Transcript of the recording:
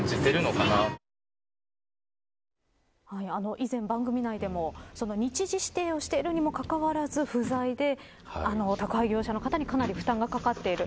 以前番組内でも日時指定をしているにもかかわらず、不在で宅配業者の方にかなり負担がかかっている。